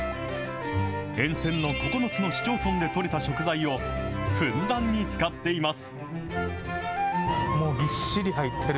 沿線の９つの市町村で取れた食材を、ふんだんに使っています。